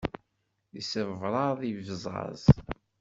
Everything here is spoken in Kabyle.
Yessebṛaḍ ibẓaẓ.